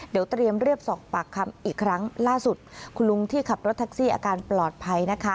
เดี๋ยวเตรียมเรียกสอบปากคำอีกครั้งล่าสุดคุณลุงที่ขับรถแท็กซี่อาการปลอดภัยนะคะ